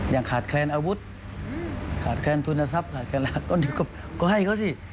ยังขาดแคลนอาวุธขาดแคลนทุนทรัพย์ขาดสลากต้นเดียวก็ให้เขาสิ